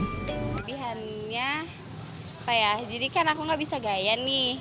kelebihannya apa ya jadi kan aku gak bisa gaya nih